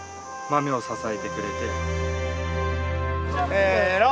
せの。